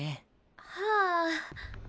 はあ。